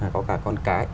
có cả con cái